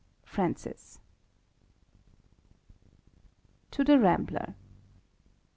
Fkahcie. TO THE RAMBLER.